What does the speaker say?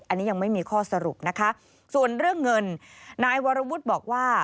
อันนี้ยังไม่มีข้อสรุปนะคะส่วนเรื่องเงินนายวรวุฒิบอกว่า